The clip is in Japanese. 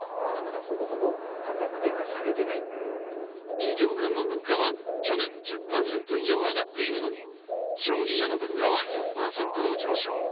企業間の物価は去年１０％以上上がっているのに消費者の物価は４％の上昇。